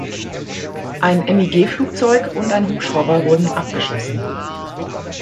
Ein MiG-Flugzeug und ein Hubschrauber wurden abgeschossen.